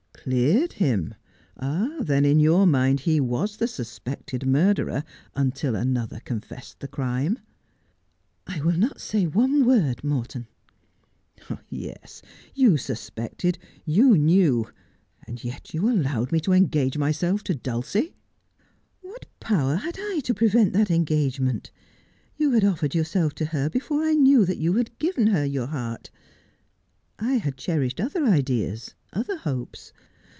'' Cleared him. Then in your mind he was the suspected murderer until another confessed the crime.' ' I will not say one word, Morton.' ' Yes, you suspected — you knew — and yet you allowed me to engage myself to Dulcie !'' What power had I to prevent that engagement ? You had offered yourself to her before I knew that you had given her your heart. I had cherished other ideas, other hopes.